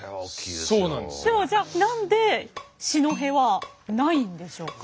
ではじゃあ何で四戸はないんでしょうか。